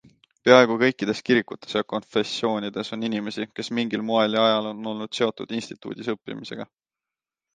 Peaaegu kõikides kirikutes ja konfessioonides on inimesi, kes mingil moel ja ajal on olnud seotud instituudis õppimisega.